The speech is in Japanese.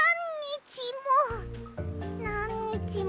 なんにちも！